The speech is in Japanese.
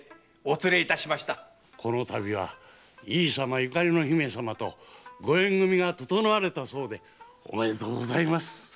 この度は井伊様ゆかりの姫様とご縁組が整われたそうでおめでとうございます。